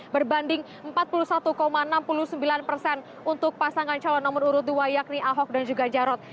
berbanding empat puluh satu enam puluh sembilan persen untuk pasangan calon nomor urut dua yakni ahok dan juga jarot